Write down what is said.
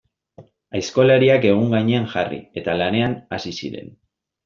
Aizkolariak egur gainean jarri, eta lanean hasi ziren.